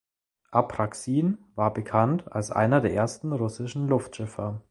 Apraxin war bekannt als einer der ersten russischen Luftschiffer.